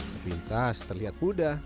sepintas terlihat mudah